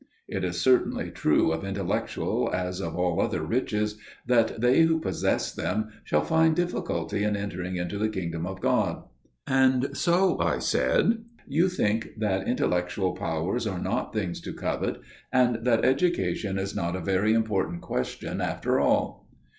It is certainly true of intellectual as of all other riches that they who possess them shall find difficulty in entering into the kingdom of God." "And so," I said, "you think that intellectual powers are not things to covet, and that education is not a very important question after all?"